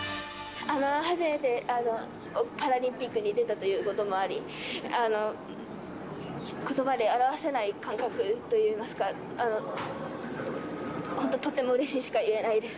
初めてパラリンピックに出たということもあり、ことばで表せない感覚といいますか、本当、とてもうれしいしか言えないです。